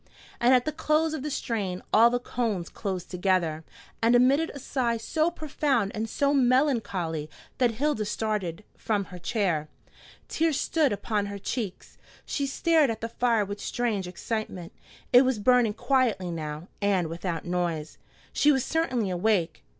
And at the close of the strain all the cones closed together, and emitted a sigh so profound and so melancholy that Hilda started from her chair. Tears stood upon her cheeks. She stared at the fire with strange excitement. It was burning quietly now, and without noise. She was certainly awake.